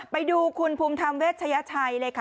ไปดูคุณภูมิธรรมเวชยชัยเลยค่ะ